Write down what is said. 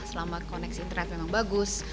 selama koneksi internet memang bagus